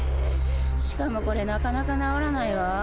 しかもこれなかなか治らないわ。